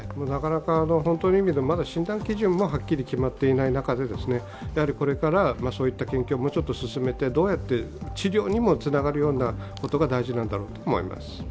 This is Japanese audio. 本当の意味で、まだ診断基準もはっきり決まっていない中でこれからそういった研究をもうちょっと進めて治療にもつながるようなことが大事なんだろうと思います。